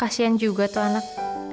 kasian juga tuh anak